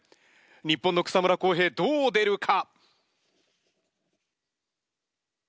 日本の草村航平どう出るか！？